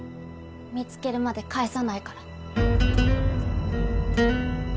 見つけるまで帰さないから。